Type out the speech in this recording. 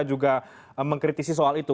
juga mengkritisi soal itu